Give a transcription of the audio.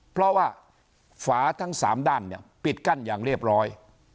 เพราะว่าฝาทั้ง๓ด้านเนี่ยปิดกั้นอย่างเรียบร้อย